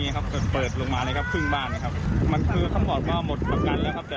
มีเศษผงครับคล้ายจะปวกกินเลยครับ